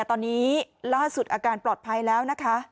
ตอนนี้ล่าสุดอาการปลอดภัยแล้วนะคะ